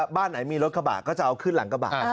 บ้านไหนมีรถกระบะก็จะเอาขึ้นหลังกระบะ